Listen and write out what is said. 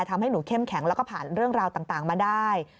ทำให้หนูเข้มแข็งแล้วก็ผ่านเรื่องราวต่างมาได้